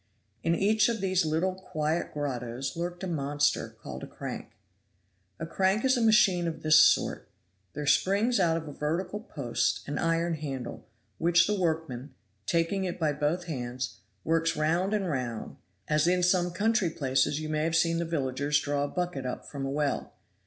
In each of these little quiet grottoes lurked a monster, called a crank. A crank is a machine of this sort there springs out of a vertical post an iron handle, which the workman, taking it by both hands, works round and round, as in some country places you may have seen the villagers draw a bucket up from a well.